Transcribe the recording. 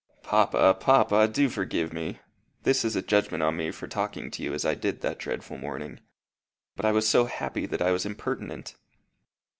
"Papa, papa! do forgive me. This is a judgment on me for talking to you as I did that dreadful morning. But I was so happy that I was impertinent."